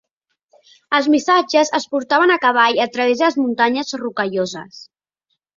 Els missatges es portaven a cavall a través de les Muntanyes Rocalloses.